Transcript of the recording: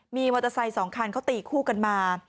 มีมอเตอร์ไซค์๒คันเขาตีคู่กันมา